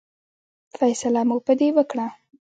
فیصله مو په دې وکړه.